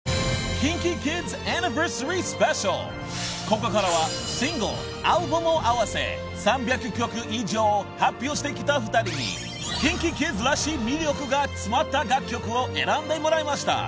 ［ここからはシングルアルバムを合わせ３００曲以上を発表してきた２人にＫｉｎＫｉＫｉｄｓらしい魅力が詰まった楽曲を選んでもらいました］